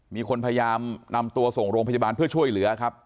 มีคนพยายามนำตัวส่งโรงพยาบาลเพื่อช่วยเหลือครับ